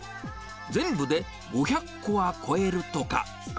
全部で５００個は超えるとか。